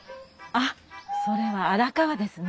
あっそれは荒川ですね。